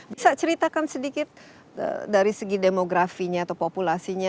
bisa ceritakan sedikit dari segi demografinya atau populasinya